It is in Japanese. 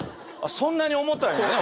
そんなに重たいんやね